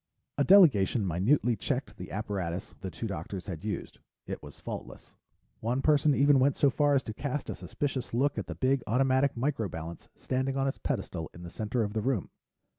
A delegation minutely checked the apparatus the two doctors had used; it was faultless. One person even went so far as to cast a suspicious look at the big automatic micro balance standing on its pedestal in the center of the room.